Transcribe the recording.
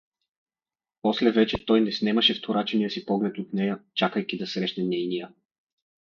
После вече той не снемаше вторачения си поглед от нея, чакайки да срещне нейния.